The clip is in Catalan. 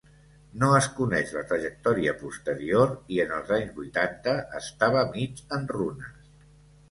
No es coneix la trajectòria posterior i en els anys vuitanta estava mig en runes.